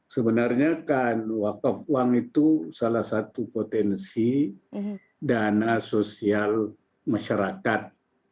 sebenarnya kan wakaf uang itu salah satu potensi dana sosial masyarakat